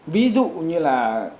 ví dụ như là